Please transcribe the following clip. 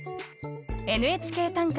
「ＮＨＫ短歌」